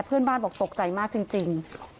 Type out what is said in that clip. เพื่อนบ้านบอกตกใจมากจริง